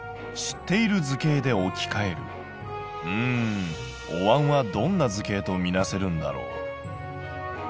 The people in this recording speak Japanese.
うんおわんはどんな図形とみなせるんだろう。